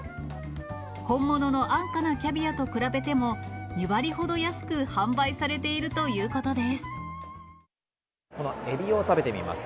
本物の安価なキャビアと比べても、２割ほど安く販売されているといこのエビを食べてみます。